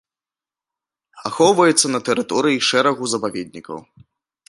Ахоўваецца на тэрыторыі шэрагу запаведнікаў.